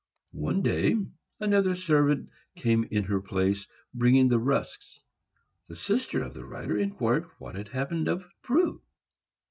One day another servant came in her place, bringing the rusks. The sister of the writer inquired what had become of Prue.